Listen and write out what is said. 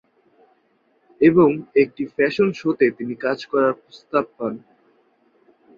এবং একটি ফ্যাশন শোতে তিনি কাজ করার প্রস্তাব পান।